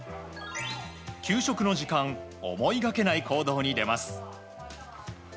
給食の時間思いがけない行動に出ます。